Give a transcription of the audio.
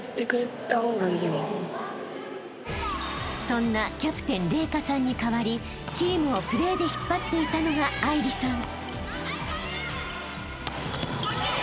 ［そんなキャプテン麗華さんに代わりチームをプレーで引っ張っていたのが愛梨さん］